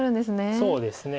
そうですね